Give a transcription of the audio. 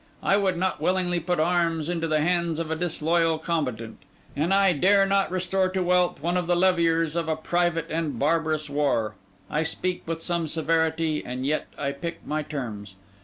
I would not willingly put arms into the hands of a disloyal combatant; and I dare not restore to wealth one of the levyers of a private and a barbarous war. I speak with some severity, and yet I pick my terms.